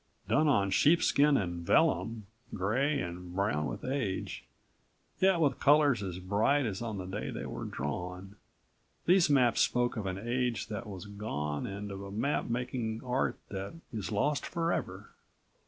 Done on sheepskin and vellum, gray and brown with age, yet with colors as bright as on the day they were drawn, these maps spoke of an age that was gone and of a map making art that is lost forever.